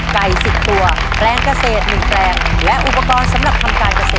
ไก่๑๐ตัวแปลงเกษตร๑แปลงและอุปกรณ์สำหรับทำการเกษตร